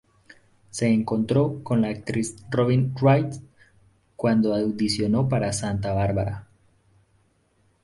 Se encontró con la actriz Robin Wright cuando audicionó para "Santa Barbara".